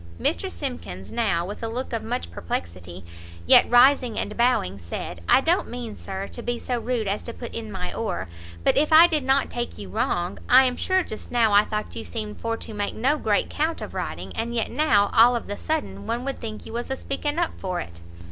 Mr Simkins now, with a look of much perplexity, yet rising and bowing, said "I don't mean, Sir, to be so rude as to put in my oar, but if I did not take you wrong, I'm sure just now I thought you seemed for to make no great 'count of riding, and yet now, all of the sudden, one would think you was a speaking up for it!"